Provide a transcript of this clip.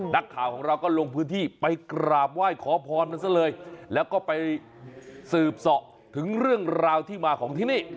นักข่าวของเราก็ลงพื้นที่ไปกราบไหว้ขอพรมันซะเลยแล้วก็ไปสืบเสาะถึงเรื่องราวที่มาของที่นี่